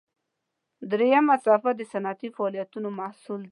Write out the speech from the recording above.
دریمه څپه د صنعتي فعالیتونو محصول دی.